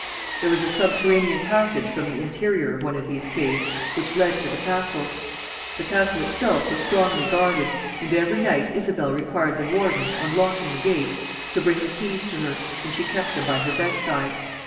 There was a subterranean passage from the interior of one of these caves which led to the castle. The castle itself was strongly guarded, and every night Isabel required the warden, on locking the gates, to bring the keys to her, and she kept them by her bedside.